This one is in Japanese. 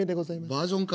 バージョンか？